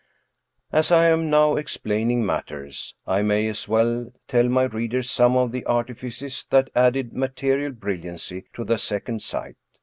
As I am now explaining matters, I may as well tell my readers some of the artifices that added material brilliancy to the second sight.